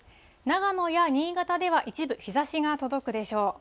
長野や新潟では一部日ざしが届くでしょう。